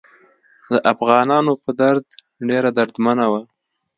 د افغانانو په درد ډیره دردمنه وه.